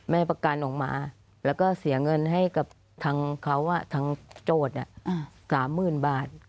ประกันออกมาแล้วก็เสียเงินให้กับทางเขาทางโจทย์๓๐๐๐บาท